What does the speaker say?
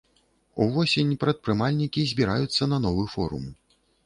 Увосень прадпрымальнікі збіраюцца на новы форум.